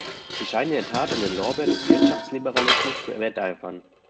Sie scheinen in der Tat um den Lorbeer des Wirtschaftsliberalismus zu wetteifern.